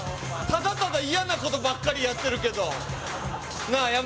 ただただ嫌なことばっかりやってるけどなあ